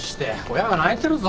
親が泣いてるぞ。